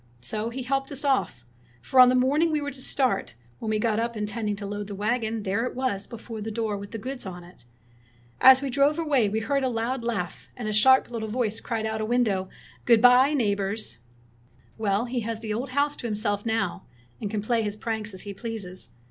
So he helped us off ; for on the morning we were to start, when we got up in tending to load the wagon, there it was before the door with the goods on it. As we drove away we heard a loud laugh; and a sharp lit tle voice cried out of a window, ' Good bye, neighbors !' ''Well, he has the old house to himself now, and can play his pranks as he pleases.